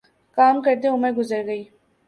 کام کرتے عمر گزر گئی